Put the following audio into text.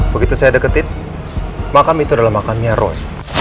begitu saya deketin makam itu adalah makamnya roy